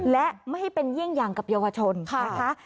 และไม่ให้เป็นเยี่ยงอย่างกับเยาวชนนะคะ